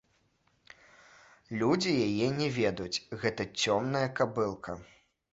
Людзі яе не ведаюць, гэта цёмная кабылка.